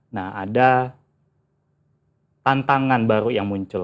nah ada tantangan baru yang muncul